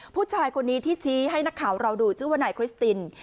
ผู้ชายคนนี้ที่ชี้ให้นักข่าวเราดูชื่อว่านายคริสติน